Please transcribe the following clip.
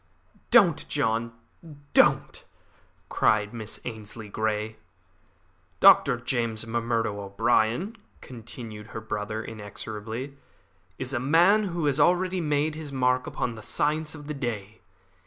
"Don't, John, don't!" cried Miss Ainslie Grey. "Dr. James M'Murdo O'Brien," continued her brother inexorably, "is a man who has already made his mark upon the science of the day.